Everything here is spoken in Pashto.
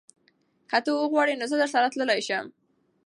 که ته وغواړې نو زه درسره تلی شم.